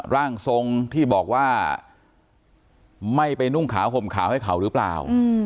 ร่างทรงที่บอกว่าไม่ไปนุ่งขาวห่มขาวให้เขาหรือเปล่า